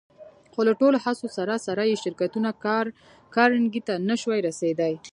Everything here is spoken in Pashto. خو له ټولو هڅو سره سره يې شرکتونه کارنګي ته نه شوای رسېدای.